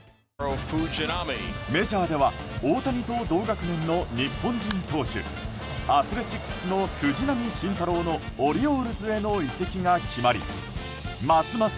メジャーでは大谷と同学年の日本人投手アスレチックスの藤浪晋太郎のオリオールズへの移籍が決まりますます